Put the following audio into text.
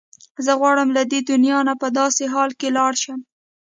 زه غواړم له دې دنیا نه په داسې حال کې لاړه شم.